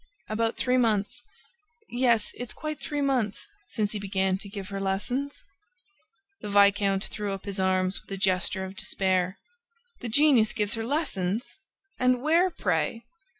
'" "About three months ... Yes, it's quite three months since he began to give her lessons." The viscount threw up his arms with a gesture of despair. "The genius gives her lessons! ... And where, pray?"